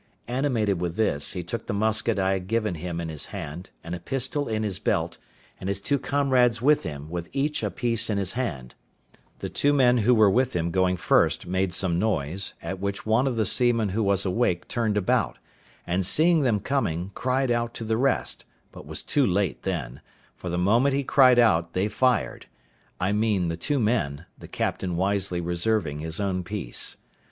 Animated with this, he took the musket I had given him in his hand, and a pistol in his belt, and his two comrades with him, with each a piece in his hand; the two men who were with him going first made some noise, at which one of the seamen who was awake turned about, and seeing them coming, cried out to the rest; but was too late then, for the moment he cried out they fired—I mean the two men, the captain wisely reserving his own piece.